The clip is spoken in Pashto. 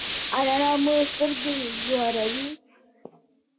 ایا رڼا مو سترګې ځوروي؟